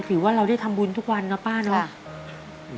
ถือว่าเราได้ทำบุญทุกวันนะป้าเนาะ